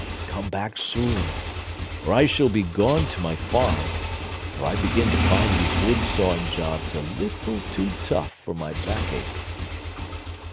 Come back soon, or I shall be gone to my farm; for I begin to find these wood sawing jobs a little too tough for my back ache."